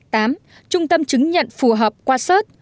tám trung tâm chứng nhận phù hợp qua sớt